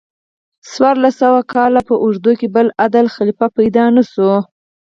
څوارلس سوو کالو په اوږدو کې بل عادل خلیفه پیدا نشو.